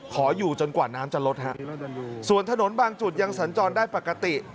ขออยู่จนกว่าน้ำจะลดฮะส่วนถนนบางจุดยังสัญจรได้ปกติ